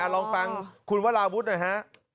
ลองฟังคุณว่าลาวุ๊ตหน่อยน่ะฮะ